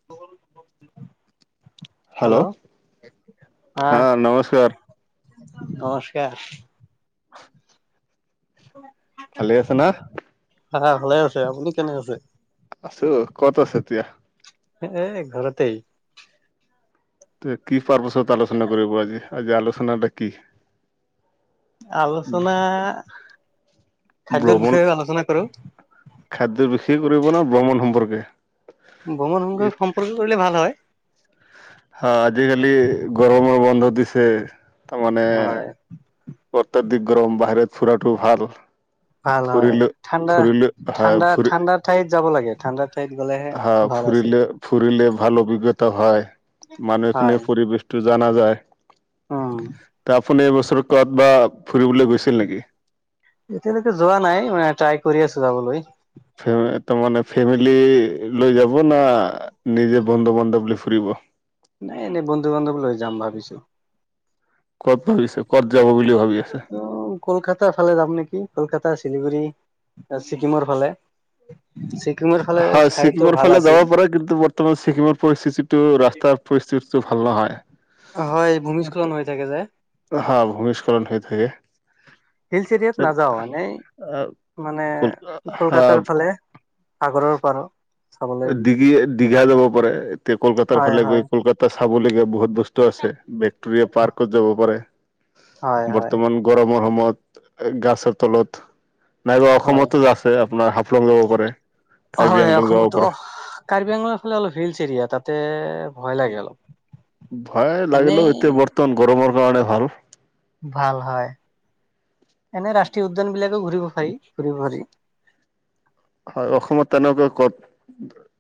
[inaudible] Hello হা নমস্কাৰ হা-নমস্কাৰ। [inaudible] ভালে আছা না? আহ ভালে আছে আপুনি কেনে আছে আছো, কত আছা এতিয়া? এ', ঘৰতেই। তোৱে কি পাৰ্পাছত আলোচনা কৰিব আজি, আজি আলোচনাটা কি? আলোচনা, খাদ্যৰ বিষয়ে আলোচনা কৰো। খাদ্য বিষয় কৰিব ন, ভ্ৰমণ সম্পৰ্কে? ভ্ৰমণ সংখ্যক সম্পৰ্কে কৰিলে ভাল হয়। হা, আজিকালি গৰমৰ বন্ধ দিছে, তাৰমানে হয় অত্যাধিক গৰম, বাহিৰত ফুৰাটো ভাল। ভাল হয়, ফুৰিলে ঠাণ্ডা ফুৰিলে হয় ঠাণ্ডা ফুৰি ঠাণ্ডা ঠাইত যাব লাগে, ঠাণ্ডাত। হা, ফুৰিলে ফুৰিলে ভাল অভিজ্ঞতা হয়, মানুহখিনি হয় [unintelligible] টো জানা যায়, উম ত আপুনি এইবছৰত ক'ৰবাত ফুৰিবলৈ গৈছিল নেকি? এতিয়ালৈকে যোৱা নাই, মানে ট্ৰাই কৰি আছো যাবলৈ। তাৰ মানে ফেমিলি লৈ যাব না, নিজে বন্ধু-বান্ধৱ লৈ ফুৰিব? নাই, এনেই বন্ধু-বান্ধৱ লৈ যাম ভাবিছো। ক'ত ভাবিছে, ক'ত যাব বুলি ভাবি আছে? অঁ, কলকাতাৰ ফালে যাম নেকি? কলকাতা, শিলিগুৰি, ছিকিমৰ ফালে। ছিকিমৰ ফালে হয়, ঠাইতো ছিকিমৰ ভাল ফালে আছিল যাব পাৰে, কিন্তু ব ৰ্তমান ছিকিমৰ পৰিস্থিতিটো ৰাস্তাৰ পৰিস্থিতিটো ভাল নহয়। হয়, ভূমিস্খলন হৈ থাকে যে। হয়, ভূমিস্খলন হৈ থাকে। হিলছ এৰিয়াত নাযাওঁ। এনেই মানে কলকাতাৰ ফালে সাগৰৰ পাৰ দীঘি-দীঘা যাব পাৰে, এতিয়া কলকাতাৰ হয় ফালে হয় গৈ কলকাতাত চাবলগীয়া বহুত বস্তু আছে, বেক্টৰিয়া পাৰ্কত যাব পাৰে, হয় হয় বৰ্তমান গৰমৰ সময়ত গাছৰ তলত নাইবা হয় অসমতো আছে আপোনাৰ হাফলং যাব পাৰে, কাৰ্বি-আংলং যাব পাৰে। কাৰ্বি-আংলৰ ফালে অলপ হিলছ এৰিয়া, তাতে ভয় লাগে অলপ। ভয় এনেই লাগিলেও, এতিয়া বৰ্তমান গৰমৰ কাৰণে ভাল। ভাল হয়, এনে ৰাষ্ট্ৰীয় উদ্যান বিলাকো ঘূৰিব পাৰি, ফুৰিব পাৰি। হয় অসমত তেনেকুৱা ক'ত,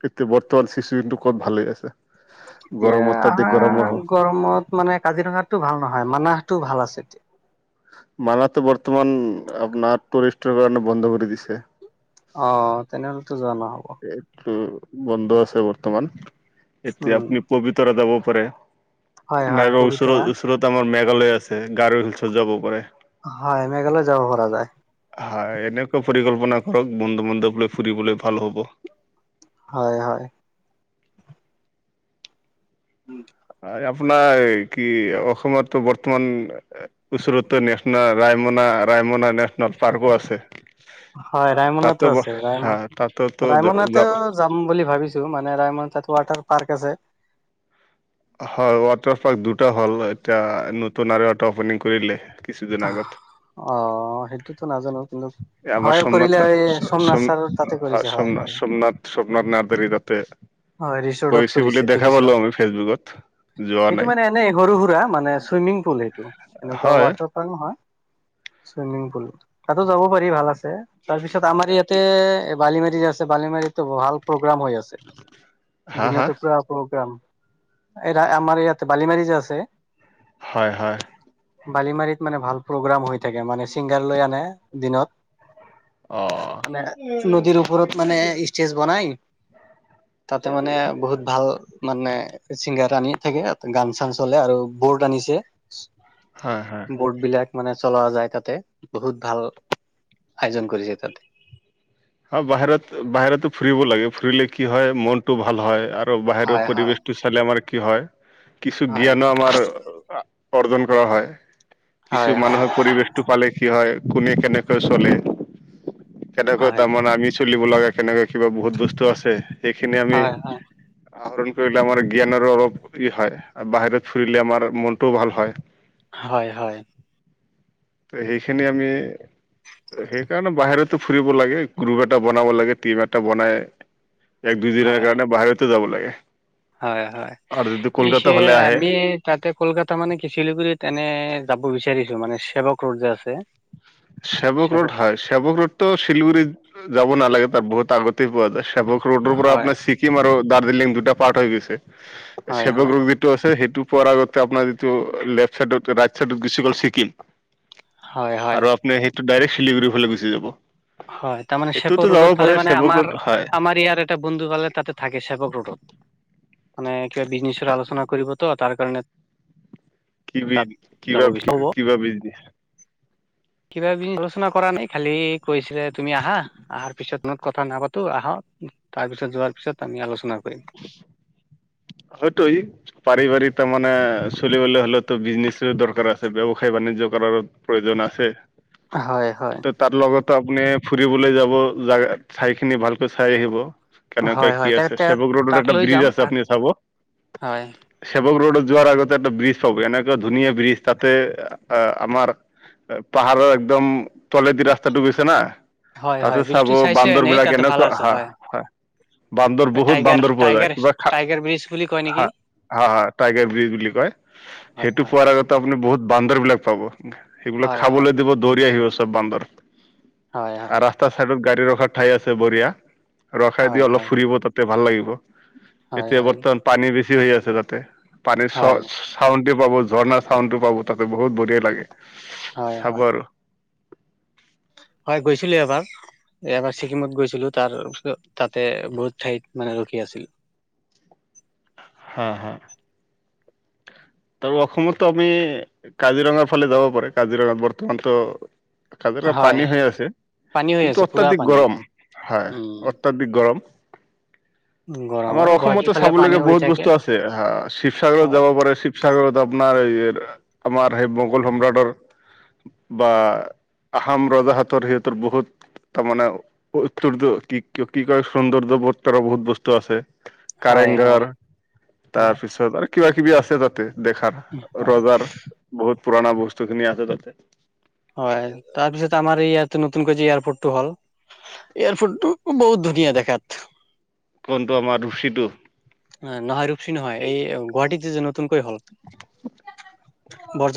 এতিয়া বৰ্তমান চিচুৱেশচনটো ক'ত ভালে আছে। এতিয়া, গৰম অত্যাধিক গৰমৰ হ আহাৰ গৰমত মানে কাজিৰঙাতো ভাল নহয়, মানাহটোও ভাল আছে এতিয়া। মানাহটো বৰ্তমান আপোনাৰ টুৰিষ্টৰ কাৰণে বন্ধ কৰি দিছে। অ তেনেহ'লেতো যোৱা নহ এইটো বন্ধ আছে বৰ্তমান এতিয়া উম আপনি পবিতৰা যাব পাৰে হয় হয় নাইবা ওচৰত পবিতৰা ওচ ওচৰত আমাৰ মেঘালয়া আছে গাৰু হিলছত যাব পাৰে হয় মেঘালয় যাব পৰা যায় হয় এনেকুৱা পৰিকল্পনা কৰক বন্ধু বান্ধৱলৈ ফুৰিবলৈ ভাল হ'ব হয় হয় উম আপোনাৰ কি অসমত তো বৰ্তমান ওচৰতো নেচ্-না ৰায়মনা ৰায়মনা নে ন পাৰ্কো আছে হয় ৰায়মনাতো তাতো ব আছে ৰায়মনা হা তাত-ত ৰায়মনাতেও যাম বুলি ভাবিছোঁ মানে ৰায়মন তাত ৱাটাৰ পাৰ্ক আছে হয় ৱাটাৰ ফ'ল দুটা হ'ল এতিয়া নতুন আৰু এটা অপেনিং কৰিলে কিছুদিন আগত অ সেইটোত নাজানো কিন্তু আমাৰ হয় চোমনাথ কৰিলে চা এই চ সোমনাথ চম ছাৰৰ তাতে হয় কৰিছে চোমনা হয় চোমনাথ চোমনাথ নদাৰি তাতে হয় ৰিচৰ্টত কৰিছে বুলি দেখা দেখিছো পালো আমি ফেচবুকত যোৱা সেইটো নাই মানে এনেই সৰু সুৰা মানে চুইমিং পুল সেইটো এনেকুৱা হয় ৱাটাৰ নহয় চুইমিং পুল তাতো যাব পাৰি ভাল আছে তাৰ পিছত আমাৰ ইয়াত এ বালিমাৰীত আছে বালিমাৰীতটো ভাল প্ৰগ্ৰাম হৈ আছে হা হা দিনতে পুৰা প্ৰগ্ৰাম এ আমাৰ ইয়াতে বালিমাৰী যে আছে হয় হয় বালিমাৰিত মানে ভাল প্ৰগ্ৰাম হৈ থাকে মানে ছিংগাৰ লৈ আনে দিনত অ মানে নদীৰ ওপৰত মানে ষ্টেজ বনাই তাতে মানে বহুত ভাল মানে ছিংগাৰ আনি থাকে গান চান চলে আৰু বৰ্ড আনিছে হয় হয় বোৰ্ড বিলাক মানে চলোৱা যায় তাতে বহুত ভাল আয়োজন কৰিছে তাতে অ বাহিৰত বাহিৰতো ফুৰিব লাগে ফুৰিলে কি হয় মনটো ভাল হয় আৰ আৰু বাহিৰৰ হয় হয় পৰিৱেশটো চালে আমাৰ কি হয় কিছু হয় জ্ঞানো আমাৰ অৰ্জন কৰা হয় কিছু হয় মানুহক পৰিবেশটো পালে কি হয় কোনে কেনেকৈ চলে কেনেকৈ হয় তাৰমানে আমি চলিব লাগে কেনেকে কিবা বহুত বস্তু আছে সেইখিনি আমি হয় হয় আহৰণ কৰিলে আমাৰ জ্ঞানৰো অলপ ই হয় বাহিৰত ফুৰিলে আমাৰ মনটোও ভাল হয় হয় হয় ত সেইখিনি আমি সেইকাৰণে বাহিৰতো ফুৰিব লাগে গ্ৰুপ এটা বনাব লাগে টিম এটা বনাই এক দুই দিনৰ হয় কাৰণে বাহিৰতো যাব লাগে হয় হয় আৰু যদি ইচ কলকাতা এ ফালে আহে আমি তাতে কলকাতা মানে কি চিলিগুৰিত এনে যাব বিচাৰিছো মানে চেৱা কৰ্ড যে আছে চেবক চেৱক ৰোড হয় চেবক ৰোডটো শিলগুৰিত যাব নালাগে তাৰ বহুত আগতেই পোৱা যায় চেৱক ৰোডৰ পৰা হয় আপোনাৰ ছিকিম আৰু দাৰ্জিলিং দুটা পাৰ্ট হৈ গৈছে হয় হয় চেৱক ৰড টো আছে সেইটো পোৱাৰ আগতে আপোনাৰ যিটো লেফ্ট চাইডত ৰাইট চাইডত গুচি গ'ল ছিকিম হয় হয় নাই সেইটো ডাইৰেক্ট শিলিগুৰি ফালে গুছি যাব হয় তাৰ মানে সেইটোতো শেপৰ যাব ৰডত পাৰে ফালে মানে সেৱক আমাৰ ৰোড হয় আমাৰ ইয়াৰ এটা বন্ধু পালে তাতে থাকি চাব ৰোডত মানে কিবা বিজনেছৰ আলোচনা কৰিব তো তাৰ কাৰণে কি বি তাত কি যাব বা বিচ হ'ব কি বা বিজনেচ কিবা কিবি আলোচনা কৰা নাই খালি কৈছিলে তুমি আহা আহাৰ পিছত নো কথা নাপাতো আহ তাৰ পিছত যোৱাৰ পিছত আমি আলোচনা কৰিম হয় তই পাৰিবাৰিক তাৰ মানে চলিবলৈ হলেতো বিজনেচ দৰকাৰ আছে ব্যয়ৱসায় বাণিজ্য কৰাৰো প্ৰয়োজন আছে হয় হয় তাত লগতো আপুনি ফুৰিবলৈ যাব যাই চাইখিনি ভালকৈ চাই আহিব কেনেকে হয় হয় কি তে আছে তে ছেৱক ৰোডত তাক এটা লৈ ব্ৰিজ যাম আছে তাক আপুনি চাব হয় চেৱক ৰোডত যোৱাৰ আগতে এটা ব্ৰিজ পাব এনেকুৱা ধুনীয়া ব্ৰিজ তাতে আহ আমাৰ পাহাৰৰ একদম তলেদি ৰাস্তা টো গৈছে না হয় হয় তাতো চাব ব্ৰিজটো চাইছো বান্দৰ এনেই বিলাক তাতে ভাল এনেকুৱা আছে হা হয় বান্দৰ বহুত টাইগাৰ বান্দৰ পোৱা টাইগাৰ যায় কিবা খা টাইগাৰ ব্ৰিজ বুলি কয় হা নেকি হা টাইগাৰ ব্ৰিজ বুলি কয় হয় সেইটো হয় পোৱাৰ আগত ত আপুনি বহুত বান্দৰ বিলাক পাব সেইবিলাক হয় হয় খাবলৈ দিব দৌৰি আহিব চব বান্দৰ হয় আৰু হয় ৰাস্তাৰ চাইডত গাড়ী ৰখাৰ ঠাই আছে বঢ়িয়া ৰখাই দি হয় অলপ হয় ফুৰিব ভাল লাগিব হয় এতিয়া হয় বৰ্তমান পানী বেছি হৈ আছে তাতে পানী হয় চৰ ছাউণ্ডটো পাব ঝৰ্ণাছাউণ্ডটো পাব তাতে বহুত বঢ়িয়া লাগে হয় চাব হয় আৰু হয় গৈছিলো এবাৰ এবাৰ ছিকিমত গৈছিলো তাৰ পিছত তাতে বহুত ঠাইত মানে ৰখি আছিল হা হা আৰু অসমতো আমি কাজিৰঙা ফালে যাব পাৰে কাজিৰঙাত বৰ্তমানতো কাজিৰঙা হয় পানী হৈ আছে পানী হৈ আছে কিন্তু পুৰা অত্যাধিক পানী গৰম হয় উম অত্যাধিক গৰম গৰম আমাৰ আৰু গুৱাহাটীৰ অসমতে ফালে পানী চাবলগীয়া হৈ বহুত থাকে বস্তু আছে আহ শিৱসাগৰত হয় যাব পাৰে শিৱসাগৰ আপোনাৰ এই আমাৰ সেই মোগল সম্ৰাটৰ বা আহোম ৰজা হাতৰ সিহতৰ বহুত তাৰমানে উত্তৰতো কি কি কয় সৌন্দৰ্য্যতো বহুত বস্তু আছে হয় হয় কাৰেংঘৰ হয় তাৰপিছত আৰু কিবা কিবি আছে তাতে দেখাৰ হয় ৰজাৰ বহুত পুৰণা বস্তু খিনি আছে তাত হয় তাৰপিছত আমাৰ ইয়াত নতুনকৈ যে এয়াৰপৰ্টটো হল এয়াৰপৰ্টটো বহুত ধুনীয়া দেখাত কোনটো আমাৰ ৰুচীটো নহয় ৰূপচি নহয় এই গুৱাহাটীত যে নতুনকৈ হ'ল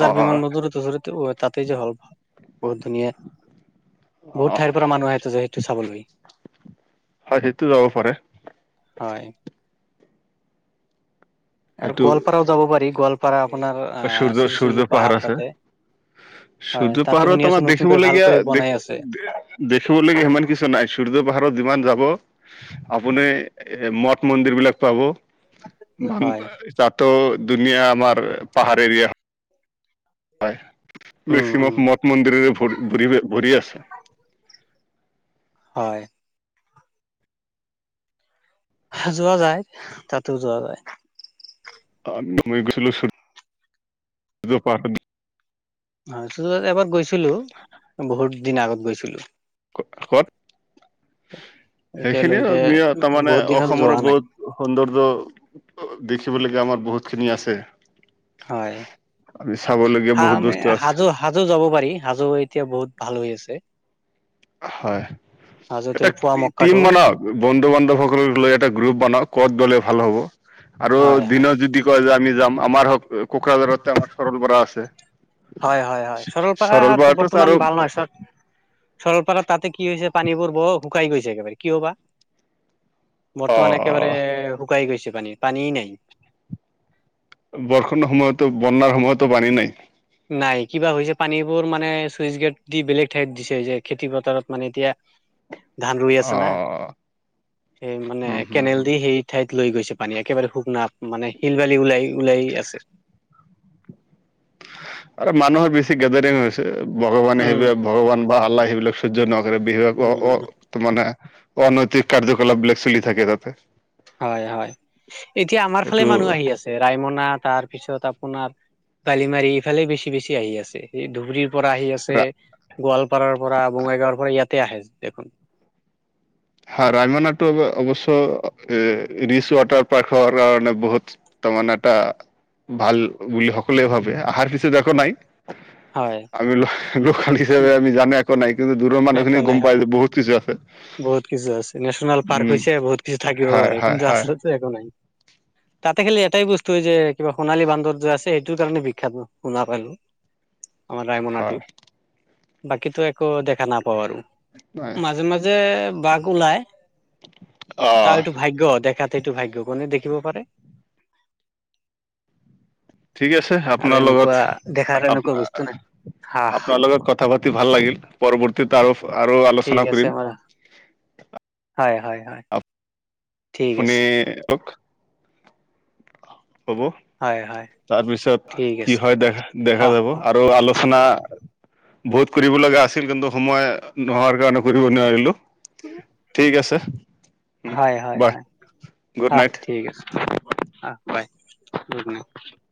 অ বিমান বন্দৰ ওচৰতে তাতেই যে হ'ল বহুত ধুনীয়া অ বহুত ঠাইৰ পৰা মানুহ আহে যে সেইটো চাবলে হয় সেইটো যাব পাৰে হয় আৰু সেইটো গোৱালপাৰাও যাব পাৰি গোৱালপাৰা আপোনাৰ আহ সূৰ্য সূৰ্য শ্ৰীসূৰ্য পাহাৰ আছে তাতে হয় সূৰ্য তাতে শুনি পাহাৰত আছো আমাৰ নতুনকৈ দেখিবলগীয়া ভালকৈ বনাই আছে দেখি দেখিবলগিয়া সিমান কিছু নাই সূৰ্য পাহাৰত যিমান যাব আপুনি এ মঠ মন্দিৰ বিলাক পাব তাতো হয় দুনীয়া আমাৰ পাহাৰ এৰিয়া। হয় উম মেক্সিমাম উম মঠ মন্দিৰেৰে ভৰি ভৰি ভৰি আছে। হয়। যোৱা যায় তাতো যোৱা যায়। আমি মই গৈছিলো সু সূৰ্য পাহাৰ অ সূৰ্য এবাৰ গৈছিলো বহুত দিন আগত গৈছিলো। কত এতিয়ালৈকে সেইখিনিও তাৰ মানে বহুত দিন হ'ল অসমৰ যোৱা নাই বহুত সৌন্দৰ্য দেখিব লগীয়া আমাৰ বহুত খিনি আছে। হয় আমি চাবলগীয়া হা বহুত আমি বস্তু আছে। হাজো হাজো যাব পাৰি হাজো এতিয়া বহুত ভাল হৈ আছে। হয় হাজোতে এটা পোৱা টিম মক্কাটো বনাওক বন্ধু বান্ধৱসকলক লৈ এটা গ্ৰুপ বনাওক, ক'ত গলে ভাল হ'ব আৰু হয় হয় দিনত যদি কয় যে আমি যাম আমাৰ হওক কোকৰাঝাৰতে আমাৰ সৰলপাৰা আছে। হয় হয় হয় সৰলপাৰা সৰল ত বৰাটো বৰ্তমান আৰু ভাল নহয় চত সৰলপাৰাত তাতে কি হৈছে পানীবোৰ বৰ শুকাই গৈছে একেবাৰে, কিয় বা? বৰ্তমান একেবাৰে অ শুকাই গৈছে পানী, পানী নাই। বৰষূণ সময়তো বনাৰ সময়তো পানী নাই। নাই কিবা হৈছে পানীবোৰ মানে চুইচ গেট দি বেলেগ ঠাইত দিছে যে খেতি পথাৰত মানে এতিয়া ধান ৰুই আছে না, আহ সেই মানে হম হম কেনেল হম দি সেই ঠাইত লৈ গৈছে পানী একেবাৰে শুক নাপ মানে শিল বালি ওলাই ওলাই আছে। আৰু মানুহৰ বেছি গেডাৰিং হৈছে ভগৱানে উম সেইবিলাক ভগৱান বা আল্লাহ সেইবিলাক সহ্য নহকৰে বিহাগ অ উম অ মানে অনৈতিক কাৰ্যকলাপ বিলাক চলি থাকে তাতে। হয় হয় এতিয়া আমাৰ ফালে সেইটো মানুহ আহি আছে। ৰায়মনা তাৰপিছত আপোনাৰ বালিমাৰী ইফালে বেছি বেছি আহি আছে। এই ধুবুৰীৰ পৰা আহি আছে, গোৱালপাৰাৰ পৰা বঙাইগাঁৱৰ পৰা ইয়াতে আহে দেখোন। হা ৰায়মনাটো অৱশ্য এ ৰিচ ৱাটাৰ পাৰ্ক কাৰণে বহুত ত মানে এটা ভাল বুলি সকলোৱে ভাবে, অহাৰ পিছত একো নাই। হয় আমি লো লোকেল হিচাপে আমি জানে। নাই কিন্তু দূৰৰ একো মানুহখিনি গম নাই পায় যায় বহুত কিছু আছে। বহুত কিছু আছে নেশ্যনেল উম হয় হয় হয়। আচলতে একো নাই তাতে খালি এটাই বস্তু যে কিবা সোণালী বান্দৰ যে আছে সেইটোৰ কাৰণে বিখ্যাত ন? শুনা পালো। অঁ ৰায়মনাটো হয় বাকীটো একো দেখা নাপাওঁ আৰু। নাই। মাজে মাজে বাঘ ওলাই অ', তাৰ ভাগ্য দেখাতে এইটো ভাগ্য কোনে দেখিব পাৰে। ঠিক আছে আৰু আপোনাৰ এনেকুৱা লগত দেখাৰ আপ এনেকুৱা বস্তু নাই। হা আপোনাৰ লগত কথা পাতি ভাল লাগিল, পৰৱৰ্তীত আৰু আৰু ঠিক আলোচনা আছে কৰিম। বাৰু হয় হয় হয়। আ ঠিক আপুনি আছে কওক। হ'ব হয় হয় তাৰপিছত ঠিক কি আছে। হয় দেখা দেখা হা যাব আৰু আলোচ না বহুত কৰিব লগা আছিল কিন্তু সময় নোহোৱাৰ কাৰণে কৰিব নোৱাৰিলো। ঠিক আছে। হয় হয় বাই হয় গুড অহ নাইট। ঠিক আছে অহ। হয় [inaudible]